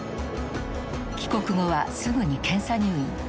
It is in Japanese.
帰国後はすぐに検査入院。